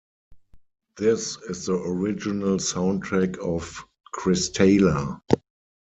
This is the original soundtrack of 'Krystala'.